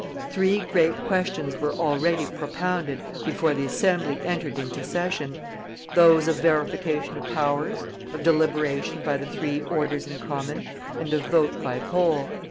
Three great questions were already propounded before the Assembly entered into session; those of verification of powers, of deliberation by the three orders in common, and of vote by poll.